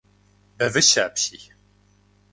Бэвыщэ апщий!